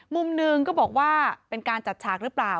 มุมหนึ่งก็บอกว่าเป็นการจัดฉากหรือเปล่า